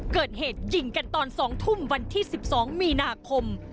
เกิดเหตุยิงกันตอน๒ทุ่มวันที่๑๒มีนาคม